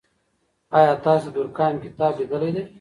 آیا تاسې د دورکهایم کتاب لیدلی دی؟